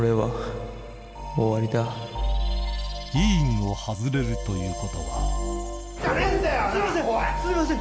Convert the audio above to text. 委員を外れるということはすいませんすいません！